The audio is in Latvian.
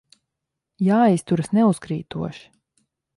Jāizturas neuzkrītoši.